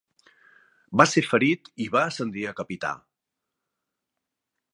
Va ser ferit i va ascendir a capità.